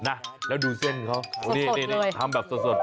นะแล้วดูเส้นเขานี่ทำแบบสด